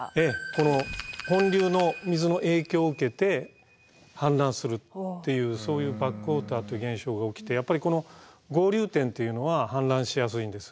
この本流の水の影響を受けて氾濫するっていうそういうバックウォーターという現象が起きてやっぱりこの合流点というのは氾濫しやすいんです。